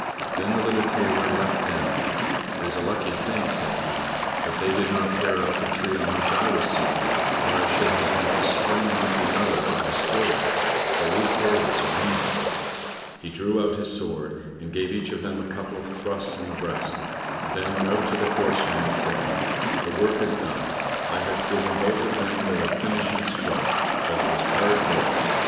Then the little tailor leapt down. "It is a lucky thing," said he, "that they did not tear up the tree on which I was sitting, or I should have had to spring on to another like a squirrel; but we tailors are nimble." He drew out his sword and gave each of them a couple of thrusts in the breast, and then went out to the horsemen and said, "The work is done; I have given both of them their finishing stroke, but it was hard work!